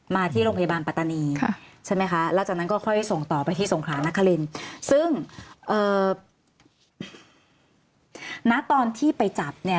มาที่โรงพยาบาลปัตตานีใช่ไหมคะแล้วจากนั้นก็ค่อยส่งต่อไปที่สงขลานครินซึ่งเอ่อณตอนที่ไปจับเนี่ย